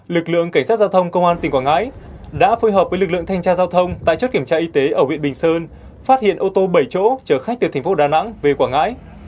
lực lượng cảnh sát giao thông công an tỉnh quảng ngãi đã phối hợp với lực lượng thanh tra giao thông tại chốt kiểm tra y tế ở huyện bình sơn phát hiện ô tô bảy chỗ chở khách từ thành phố đà nẵng về quảng ngãi